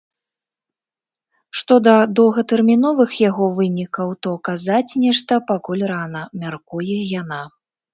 Што да доўгатэрміновых яго вынікаў, то казаць нешта пакуль рана, мяркуе яна.